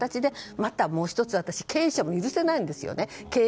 また、私もう１つ経営者も許せないですね。